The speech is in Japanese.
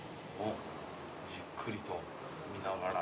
じっくりと見ながら。